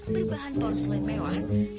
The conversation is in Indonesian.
berbahan porselen mewah